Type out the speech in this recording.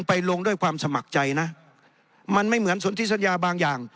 ลงด้วยความสมัครใจนะมันไม่เหมือนสนที่สัญญาบางอย่าง